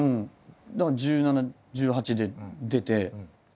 だから１７１８で出て。